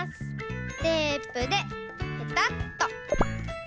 テープでペタっと。